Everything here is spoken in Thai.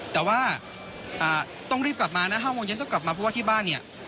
แต่ว่าต้องรีบกลับมานะ๕โมงเย็นต้องกลับมาเพราะว่าที่บ้านเนี่ย